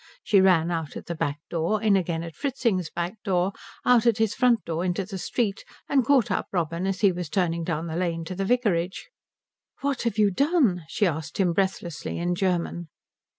She ran out at the back door, in again at Fritzing's back door, out at his front door into the street, and caught up Robin as he was turning down the lane to the vicarage. "What have you done?" she asked him breathlessly, in German.